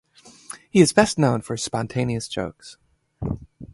He is best known for his spontaneous jokes.